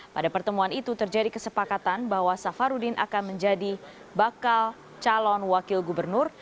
pada pertemuan itu terjadi kesepakatan bahwa safarudin akan menjadi bakal calon wakil gubernur